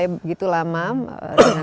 begitu lama dengan